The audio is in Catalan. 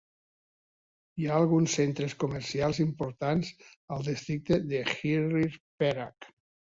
Hi ha alguns centres comercials importants al districte de Hilir Perak.